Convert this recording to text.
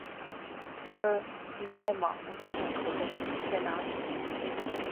呃…你在吗，我在门口等你，你在哪里？